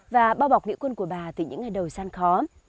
và bao bọc nghĩa quân của bà từ những ngày đầu gian khó